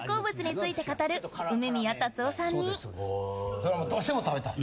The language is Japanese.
それもうどうしても食べたい。